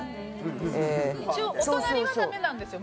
一応お隣はダメなんですよ。